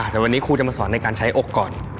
แต่วันนี้ครูจะมาสอนในการใช้อกก่อน